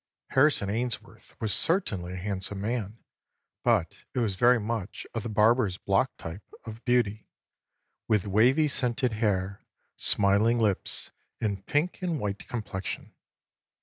] "Harrison Ainsworth was certainly a handsome man, but it was very much of the barber's block type of beauty, with wavy scented hair, smiling lips, and pink and white complexion.